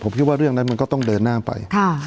ผมคิดว่าเรื่องนั้นมันก็ต้องเดินหน้าไป